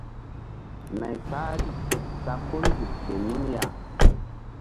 Nay kpahri sa ko nzuk ke nun.